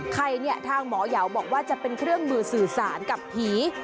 ใครเนี่ยทางหมอยาวบอกว่าจะเป็นเครื่องมือสื่อสารกับผี